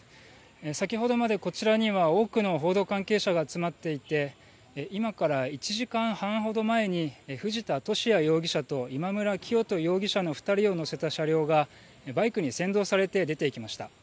先ほどまでこちらには多くの報道関係者が集まっていて今から１時間半ほど前に藤田聖也容疑者と今村磨人容疑者の２人を乗せた車両がバイクに先導されて出ていきました。